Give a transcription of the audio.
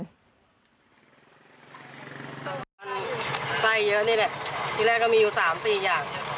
มันไส้เยอะนี่แหละที่แรกก็มีอยู่๓๔อย่าง